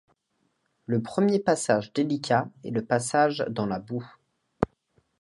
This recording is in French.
Le premier passage délicat est le passage dans la boue.